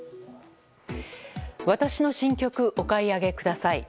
私の新曲をお買い上げください。